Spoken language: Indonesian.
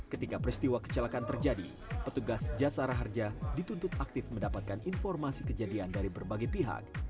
ketika peristiwa kecelakaan terjadi petugas jasara harja dituntut aktif mendapatkan informasi kejadian dari berbagai pihak